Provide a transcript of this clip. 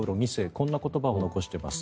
こんな言葉を残しています。